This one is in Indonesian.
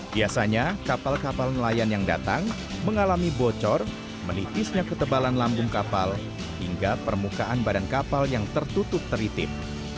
biasanya kapal kapal nelayan yang datang mengalami bocor menipisnya ketebalan lambung kapal hingga permukaan badan kapal yang tertutup teritip